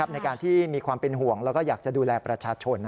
ในการที่มีความเป็นห่วงแล้วก็อยากจะดูแลประชาชน